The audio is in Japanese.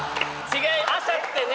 朝ってね